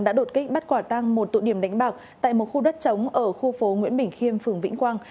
đã đột kích bắt quả tăng một tụ điểm đánh bạc tại một khu đất trống ở khu phố nguyễn bình khiêm phường vĩnh quang